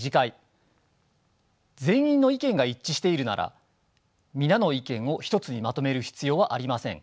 全員の意見が一致しているなら皆の意見を一つにまとめる必要はありません。